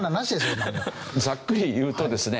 ざっくり言うとですね